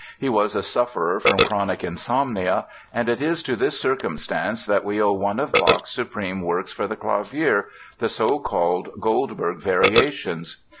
He was a sufferer from chronic insomnia and it is to this circumstance that we owe one of Bach's supreme works for the clavier—the so called Goldberg Variations.